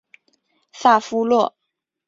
萨夫洛。